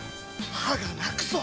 歯が泣くぞ！